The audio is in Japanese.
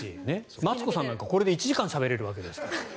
マツコさんなんか、これで１時間話せるわけですから。